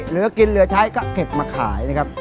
เหลือกินเหลือใช้ก็เก็บมาขายนะครับ